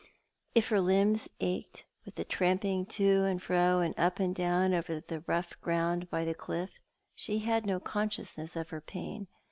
If her limbs ached with the tramping to and fro and up and down over the rough ground by the clifif, she had no consciousness of her pain.